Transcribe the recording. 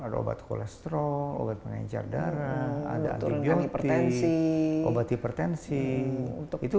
ada obat kolesterol obat mengejar darah ada antibiotik obat hipertensi